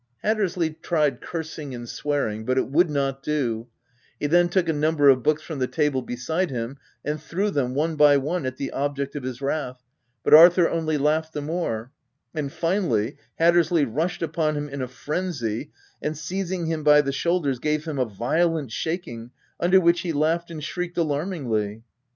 Hattersley tried cursing and swearing, but it would not do ; he then took a number of books from the table beside him and threw them, one by one, at the object of his wrath, but Arthur only laughed the more ; and, finally, Hattersley rushed upon him in a phrensy, and, seizing him by the shoulders, gave him a violent shaking, under which he laughed and shrieked alarm ingly.